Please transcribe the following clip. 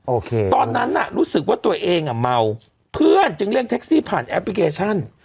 ตอนนั้นน่ะรู้สึกว่าตัวเองอ่ะเมาเพื่อนจึงเรียกแท็กซี่ผ่านแอปพลิเคชัน